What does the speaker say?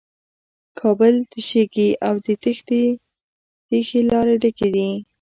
کابل تشېږي او د تېښې لارې ډکې دي.